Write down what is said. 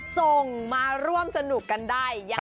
ส่งมาร่วมสนุกกันได้